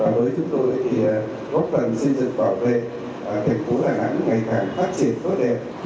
với chúng tôi thì góp phần xây dựng bảo vệ thành phố đà nẵng ngày càng phát triển tốt đẹp